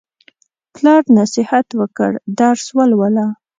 پلار نصیحت وکړ: درس ولوله.